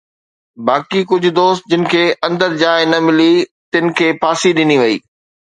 باقي ڪجهه دوست جن کي اندر جاءِ نه ملي، تن کي ڦاسي ڏني وئي.